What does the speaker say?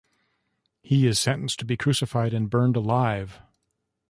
He is sentenced to be crucified and burned alive.